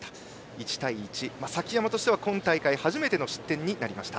１対１、崎山としては今大会初めての失点でした。